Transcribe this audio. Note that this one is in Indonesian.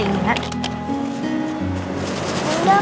kita makan barengnya bunda